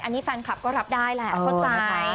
อันนี้แฟนคลับก็รับได้แหละเข้าใจ